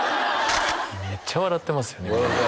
めっちゃ笑ってますよね